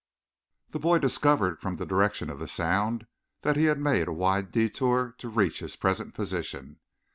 The boy discovered from the direction of the sound that he had made a wide detour to reach his present position.